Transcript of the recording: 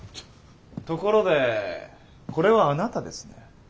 ところでこれはあなたですね？